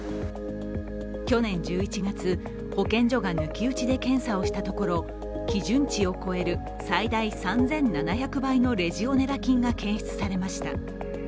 去年１１月、保健所が抜き打ちで検査をしたところ基準値を超える最大３７００倍のレジオネラ菌が検出されました。